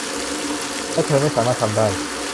และเธอไม่สามารถทำได้